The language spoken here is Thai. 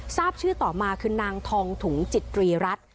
ทราบชื่อต่อมาคือนางทองถุงจิตรีรัฐ